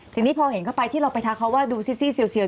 ทีนี้พอเห็นเข้าไปที่เราไปทักเขาว่าดูซิเซียว